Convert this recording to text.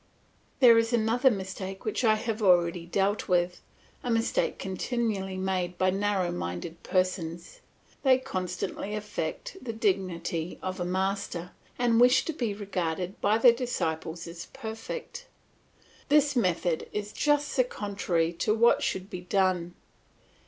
There is another mistake which I have already dealt with, a mistake continually made by narrow minded persons; they constantly affect the dignity of a master, and wish to be regarded by their disciples as perfect. This method is just the contrary of what should be done.